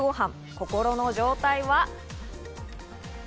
心の状態は？